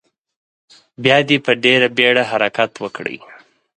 بیا دې په ډیره بیړه حرکت وکړي.